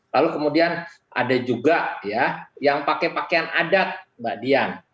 lalu kemudian ada juga ya yang pakai pakaian adat mbak dian